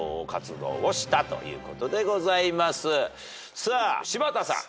さあ柴田さん。